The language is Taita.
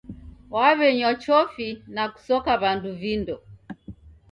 W'aw'eanywa chofi na kusoka w'andu vindo.